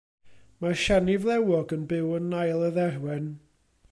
Mae'r siani flewog yn byw yn nail y dderwen.